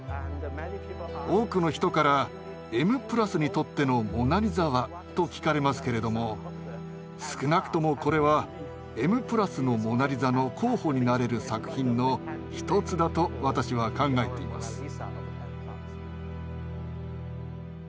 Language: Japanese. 多くの人から「『Ｍ＋』にとっての『モナリザ』は？」と聞かれますけれども少なくともこれは「Ｍ＋」の「モナリザ」の候補になれる作品の一つだと私は考えています。